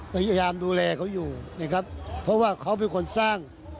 พยายามดูแลเขาอยู่นะครับเพราะว่าเขาเป็นคนสร้าง